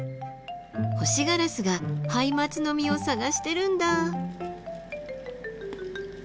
ホシガラスがハイマツの実を探してるんだあ。